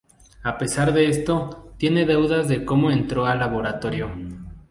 A pesar de eso tiene dudas de cómo entró al laboratorio.